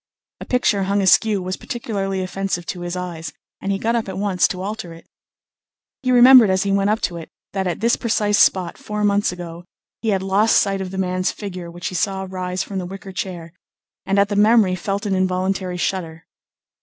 A picture hung askew was particularly offensive to his eyes, and he got up at once to alter it. He remembered as he went up to it that at this precise spot four months ago he had lost sight of the man's figure which he saw rise from the wicker chair, and at the memory felt an involuntary shudder.